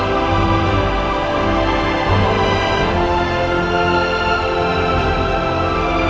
dan juga bapak surya